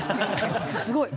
すごい！